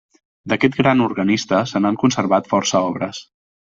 D'aquest gran organista, se n'han conservat força obres.